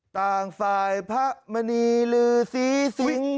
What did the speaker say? ต่างสายพระมณีหลือสีสิง